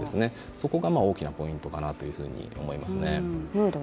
そこが大きなポイントかなというふうに思いますね。